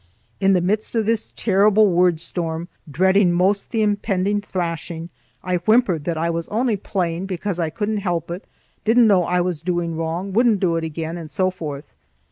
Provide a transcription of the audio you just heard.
In the midst of this terrible word storm, dreading most the impending thrashing, I whimpered that I was only playing because I couldn't help it; didn't know I was doing wrong; wouldn't do it again, and so forth.